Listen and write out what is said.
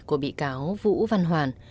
của bị cáo vũ văn hoàn